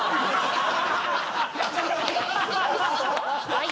はい。